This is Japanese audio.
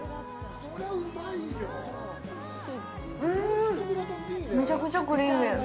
うん、めちゃくちゃクリーミー。